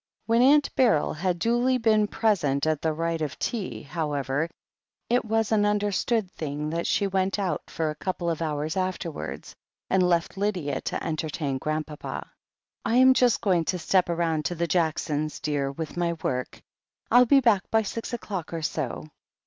When Aunt Beryl had duly been present at the rite of tea, however, it was an understood thing that she went out for a couple of hours afterwards, and left Lydia to entertain Grandpapa. "I am just going to step round to the Jacksons, dear, with my work. I'll be back by six o'clock or so."